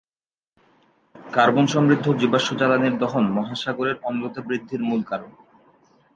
কার্বন-সমৃদ্ধ জীবাশ্ম জ্বালানির দহন মহাসাগরের অম্লতা বৃদ্ধির মূল কারণ।